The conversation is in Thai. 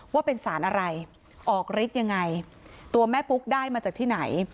ว่าเป็นสารอะไรออกฤทธิ์ยังไงตัวแม่ปุ๊กได้มาจากที่ไหน